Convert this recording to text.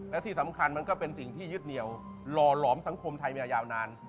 และที่สำคัญมันก็เป็นสิ่งที่ยึดเหนียวหล่อหลอมสังคมไทยมายาวนาน